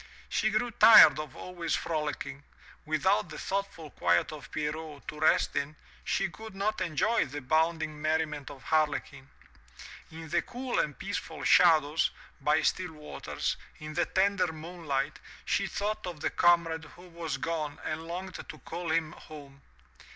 She grew tired of always frolicking. Without the thoughtful quiet of Pierrot to rest in, she could not enjoy the bounding merriment of Harlequin. In the cool and peaceful shadows, by still waters, in the tender moonlight, she thought of the comrade who was gone and longed to call him home.